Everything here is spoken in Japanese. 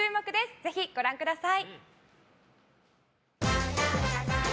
ぜひご覧ください。